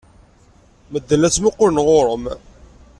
Medden la ttmuqqulen ɣer-m.